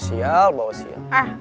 sial bawa sial